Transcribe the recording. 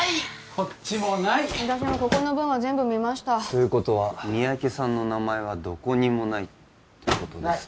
こっちもない私もここの分は全部見ましたということは三宅さんの名前はどこにもないってことですね